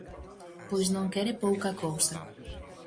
Pois non quere pouca cousa.